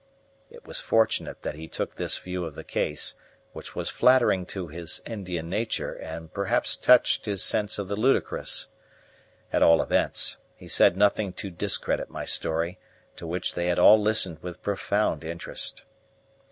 It was fortunate that he took this view of the case, which was flattering to his Indian nature, and perhaps touched his sense of the ludicrous. At all events, he said nothing to discredit my story, to which they had all listened with profound interest.